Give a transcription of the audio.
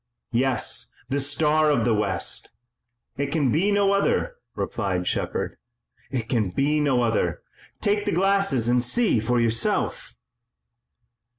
"Yes, the Star of the West! It can be no other!" replied Shepard. "It can be no other! Take the glasses and see for yourself!"